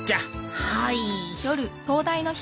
はい。